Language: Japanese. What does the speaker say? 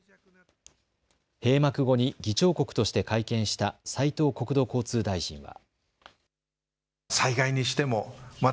閉幕後に議長国として会見した斉藤国土交通大臣は。